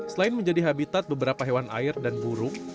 selain menjadi habitat beberapa hewan air dan burung